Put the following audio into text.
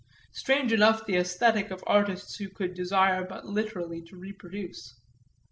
Strange enough the "æsthetic" of artists who could desire but literally to reproduce.